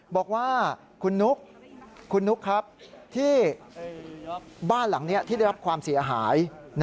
บอกว่าคุณนุ๊กคุณนุ๊กครับที่บ้านหลังนี้ที่ได้รับความเสียหาย